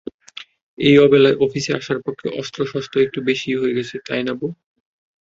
এই অবেলায় অফিসে আসার পক্ষে অস্ত্রশস্ত্র একটু বেশিই হয়ে গেছে, তাই না বোহ?